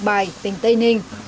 bài tỉnh tây ninh